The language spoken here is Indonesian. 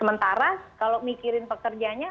sementara kalau mikirin pekerjanya